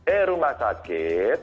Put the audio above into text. eh rumah sakit